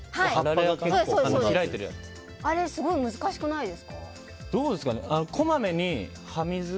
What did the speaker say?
あれすごく難しくないですか？